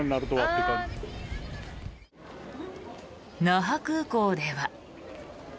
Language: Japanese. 那覇空港では。